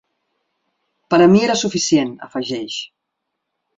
Per a mi era suficient, afegeix.